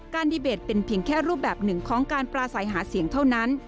ดีเบตเป็นเพียงแค่รูปแบบหนึ่งของการปราศัยหาเสียงเท่านั้น